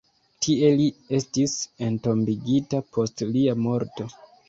Tie li estis entombigita post lia morto.